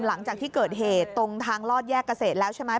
หลังจากที่เกิดเหตุตรงทางลอดแยกเกษตรแล้วใช่ไหม